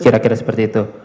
kira kira seperti itu